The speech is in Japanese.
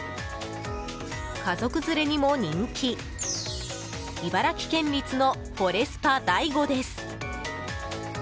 家族連れにも人気茨城県立のフォレスパ大子です。